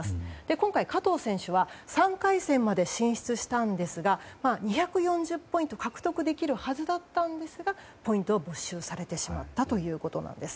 今回、加藤選手は３回戦まで進出したんですが２４０ポイント獲得できるはずだったんですがポイントを没収されてしまったということです。